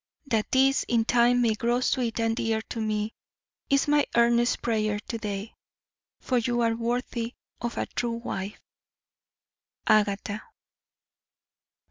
That this in time may grow sweet and dear to me is my earnest prayer to day, for you are worthy of a true wife. AGATHA.